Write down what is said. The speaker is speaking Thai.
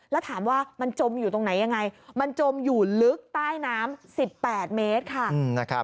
แล้วถามว่ามันจมอยู่ตรงไหนยังไงมันจมอยู่ลึกใต้น้ำ๑๘เมตรค่ะ